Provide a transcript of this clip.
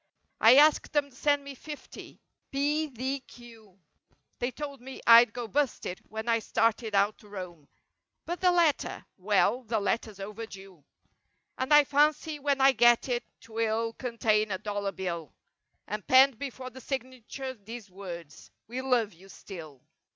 I asked them send me fifty—^p d q— 37 They told me Fd go busted when I started out to roam— But the letter? Well—the letter's over due. And I fancy when I get it 'twill contain a dollar bill; And penned before the signature these words— "We love you—still."